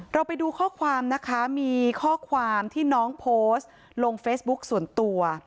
ไปดูข้อความนะคะมีข้อความที่น้องโพสต์ลงเฟซบุ๊คส่วนตัว